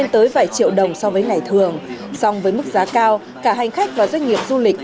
tới vài triệu đồng so với ngày thường song với mức giá cao cả hành khách và doanh nghiệp du lịch